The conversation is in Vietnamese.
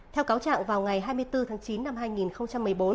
theo cáo trạng vào ngày hai mươi bốn tháng chín năm hai nghìn một mươi bốn